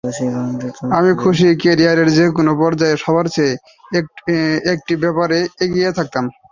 আমি খুশি, ক্যারিয়ারের যেকোনো পর্যায়েই সবার চেয়ে একটি ব্যাপারে এগিয়ে থাকলাম।